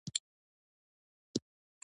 د فراه د پخواني ښار نوم پروفتاسیا و